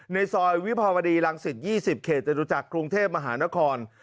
ในซอยวิภาวดีรังสิต๒๐เขตจตุจักรกรุงเทพมหานคร